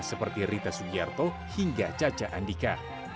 seperti rita sugiarto hingga caca andika